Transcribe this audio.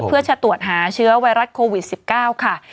เพื่อจะตรวจหาเชื้อไวรัสโควิด๑๙ค่ะ